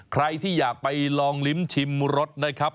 ใครที่อยากไปลองลิ้มชิมรสนะครับ